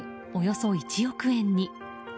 およそ１億円に。